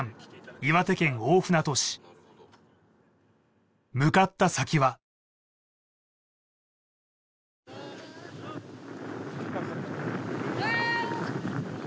岩手県大船渡市向かった先はこんにちは！